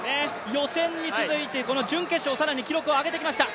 予選に続いて、この準決勝、更に記録を上げてきました。